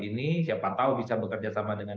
ini siapa tahu bisa bekerja sama dengan